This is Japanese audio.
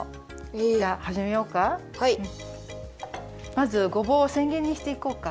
まずごぼうをせんぎりにしていこうか。